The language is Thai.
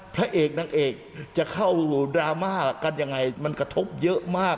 พระเอกนางเอกจะเข้าดราม่ากันยังไงมันกระทบเยอะมาก